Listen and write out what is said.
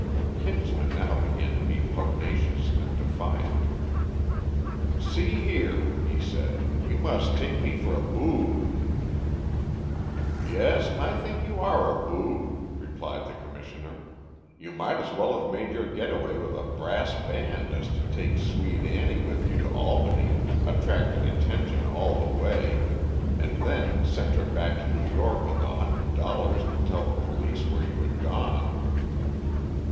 Kinsman now began to be pugnacious and defiant. "See here!" he said, "You must take me for a boob." "Yes, I think you are a boob," replied the Commissioner. "You might as well have made your getaway with a brass band as to take Swede Annie with you to Albany, attracting attention all the way, and then send her back to New York with a hundred dollars to tell the police where you had gone."